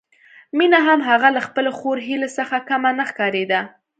مينه هم هغه له خپلې خور هيلې څخه کمه نه ښکارېده